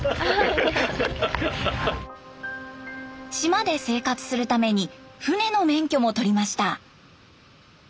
島で生活するために船の免許も取りました。